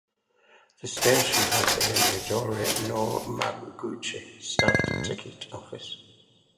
The station had a "Midori no Madoguchi" staffed ticket office.